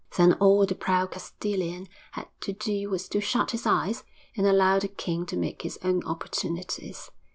Then all the proud Castilian had to do was to shut his eyes and allow the king to make his own opportunities.